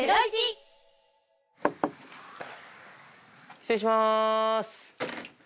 失礼します。